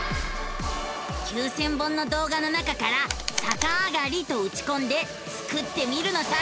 ９，０００本の動画の中から「さかあがり」とうちこんでスクってみるのさ！